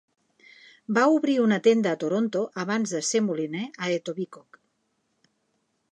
Va obrir una tenda a Toronto abans de ser moliner a Etobicoke.